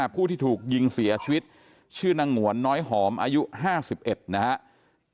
ผู้ที่ถูกยิงเสียชีวิตชื่อนางหงวนน้อยหอมอายุ๕๑นะครับ